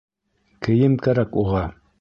Кейем кәрәк уға!